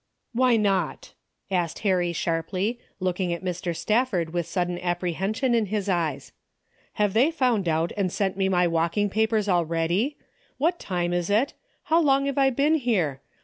" Why not !" asked Harry sharply, looking at Mr. Stafford with sudden apprehension in his eyes. Have they found out and sent me my walking papers already ? What time is it ? How long have I been here